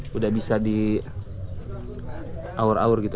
sudah bisa di awur awur gitu